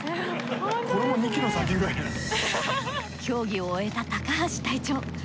競技を終えた高橋隊長。